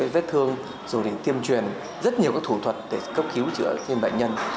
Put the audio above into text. vết thương rồi thì tiêm truyền rất nhiều các thủ thuật để cấp cứu chữa thêm bệnh nhân